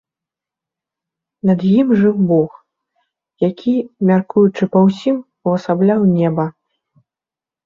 Над ім жыў бог, які, мяркуючы па ўсім, увасабляў неба.